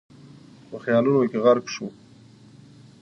په خيالونو کې غرق شو.